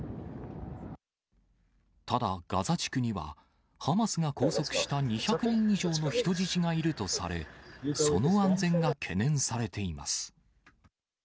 ただ、ガザ地区にはハマスが拘束した２００人以上の人質がいるとされ、その安全が懸念されています。